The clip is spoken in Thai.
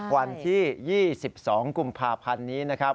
วันที่๒๒กุมภาพันธ์นี้นะครับ